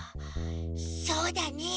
そうだね。